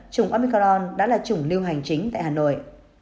trùng omicron đã là trùng lưu hành chính tại hà nội